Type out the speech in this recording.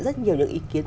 rất nhiều những ý kiến